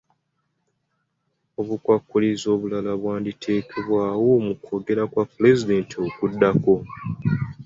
Obukwakkulizo obulala bwanditeekebwawo mu kwogera kwa pulezidenti okuddako.